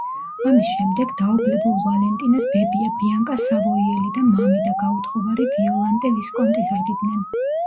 ამის შემდეგ, დაობლებულ ვალენტინას ბებია, ბიანკა სავოიელი და მამიდა, გაუთხოვარი ვიოლანტე ვისკონტი ზრდიდნენ.